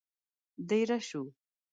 دېره شوو.